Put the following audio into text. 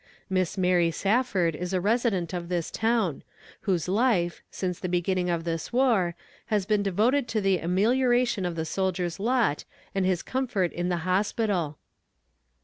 "Miss Mary Safford is a resident of this town, whose life, since the beginning of this war, has been devoted to the amelioration of the soldier's lot and his comfort in the hospital.